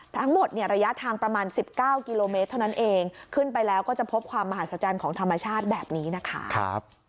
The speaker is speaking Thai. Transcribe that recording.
ทั้งหมดเนี่ยระยะทางประมาณ๑๙กิโลเมตรเท่านั้นเองขึ้นไปแล้วก็จะพบความมหาศจรรย์ของธรรมชาติแบบนี้นะคะ